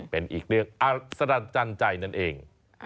เป็นอีกเรื่องอัศจรรย์ใจนั่นเอง